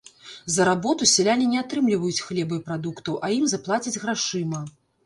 За работу сяляне не атрымаюць хлеба і прадуктаў, а ім заплацяць грашыма.